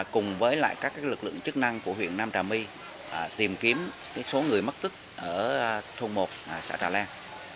cùng với các lực lượng chức năng của huyện nam trà my tìm kiếm số người mất tức ở thùng một xã trà len